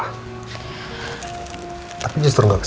katanya mau pergi ke kamar rawatnya papa